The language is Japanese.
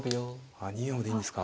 ああ２四歩でいいんですか。